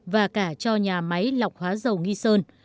và cả cho nhà máy lọc hóa dầu nghi sơn